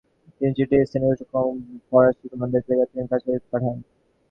তিনি চিঠিটি স্থানীয় ফরাসি কমান্ডার জাক লেগার্দিয়ো দে সেন্ট-পিঁয়েরের কাছে পাঠান।